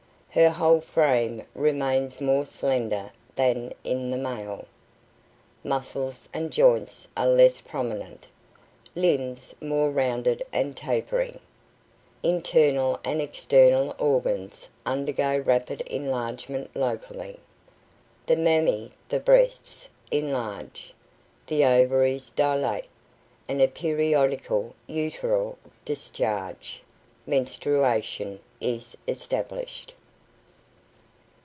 Her whole frame remains more slender than in the male. Muscles and joints are less prominent, limbs more rounded and tapering. Internal and external organs undergo rapid enlargement, locally. The mammæ (the breasts) enlarge, the ovaries dilate, and a periodical uteral discharge (menstruation) is established.